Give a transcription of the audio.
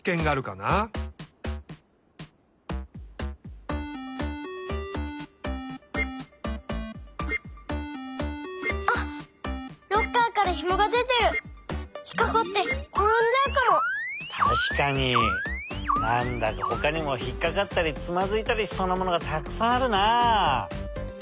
なんだかほかにもひっかかったりつまずいたりしそうなものがたくさんあるなあ。